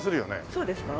そうですか？